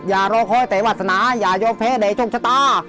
อย่ารอคอยแต่วาสนาอย่ายอมแพ้ในโชคชะตา